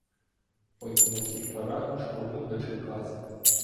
Потім на всіх парах чкурнув до Черкас.